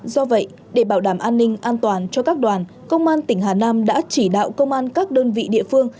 do vậy để bảo đảm an ninh an toàn cho các đoàn công an tỉnh hà nam đã chỉ đạo công an các đơn vị địa phương